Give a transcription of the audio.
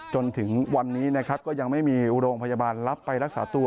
จนถึงวันนี้นะครับก็ยังไม่มีโรงพยาบาลรับไปรักษาตัว